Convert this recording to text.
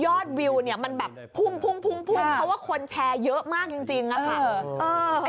ยอดวิวมันแบบพุ้งเพราะว่าคนแชร์เยอะมากจริงอ่ะค่ะ